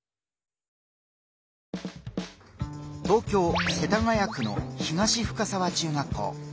東京・世田谷区の東深沢中学校。